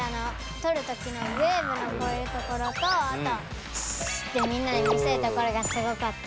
とるときのウェーブのこういうところとあとシーッてみんなに見せるところがすごかった。